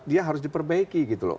dia harus diperbaiki gitu loh